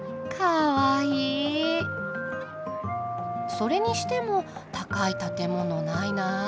それにしても高い建物ないなあ。